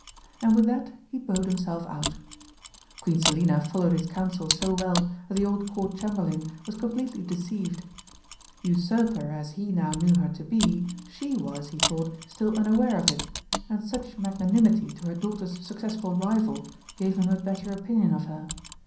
And with that he bowed himself out. Queen Selina followed his counsel so well that the old Court Chamberlain was completely deceived. Usurper as he now knew her to be, she was, he thought, still unaware of it, and such magnanimity to her daughter's successful rival gave him a better opinion of her.